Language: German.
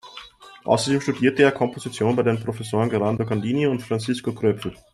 Außerdem studierte er Komposition bei den Professoren Gerardo Gandini und Francisco Kröpfl.